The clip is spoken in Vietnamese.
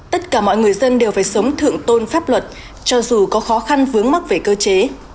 tất cả mọi người dân đều phải sống thượng tôn pháp luật cho dù có khó khăn vướng mắc về cơ chế